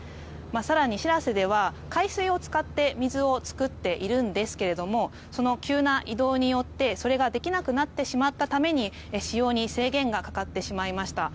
更に「しらせ」では海水を使って水を作っているんですがその急な移動によってそれができなくなってしまったために使用に制限がかかってしまいました。